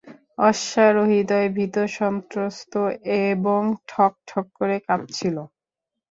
অশ্বারোহীদ্বয় ভীত-সন্ত্রস্ত এবং ঠকঠক করে কাঁপছিল।